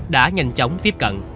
đã nhanh chóng tiếp cận